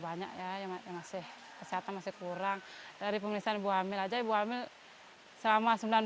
banyak ya yang masih kesehatan masih kurang dari pemeriksaan ibu hamil aja ibu hamil selama